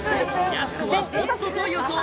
やす子はホストと予想。